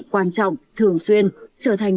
quan trọng thường xuyên trở thành